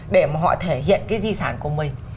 để mà họ thể hiện cái di sản của mình